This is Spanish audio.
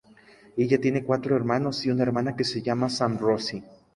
Ella tiene cuatro hermanos y una hermana que se llama Sam Rosie.